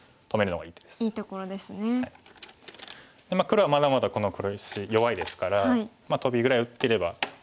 黒はまだまだこの黒石弱いですからトビぐらい打ってれば。